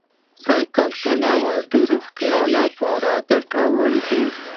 سایکل چلول د روغتیا لپاره ګټور دی.